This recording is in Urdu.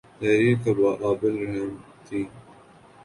تحریر قابل رحم تھی اور مکالمہ ناقابل یقین تھا